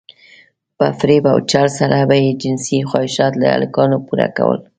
په فريب او چل سره به يې جنسي خواهشات له هلکانو پوره کول.